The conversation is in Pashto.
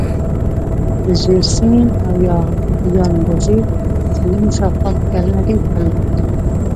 د ژیړ سیند او یانګزي سیندونو شاوخوا کې کرنه ډیره پرمختللې وه.